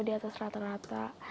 di atas rata rata